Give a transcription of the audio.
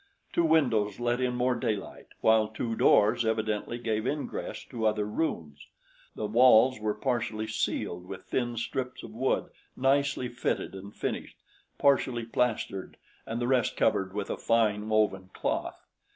Two windows let in more daylight, while two doors evidently gave ingress to other rooms. The walls were partially ceiled with thin strips of wood, nicely fitted and finished, partially plastered and the rest covered with a fine, woven cloth.